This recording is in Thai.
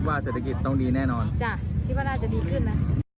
เศรษฐกิจต้องดีแน่นอนจ้ะคิดว่าน่าจะดีขึ้นนะ